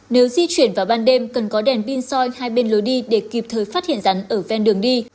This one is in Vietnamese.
nếu di chuyển vào ban đêm cần có đèn pin soi hai bên lối đi để kịp thời phát hiện rắn ở ven đường đi